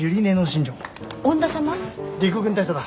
陸軍大佐だ。